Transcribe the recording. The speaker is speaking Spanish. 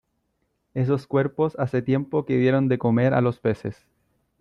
esos cuerpos hace tiempo que dieron de comer a los peces.